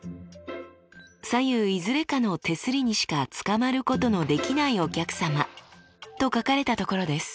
「左右いずれかの手すりにしかつかまることのできないお客さま」と書かれたところです。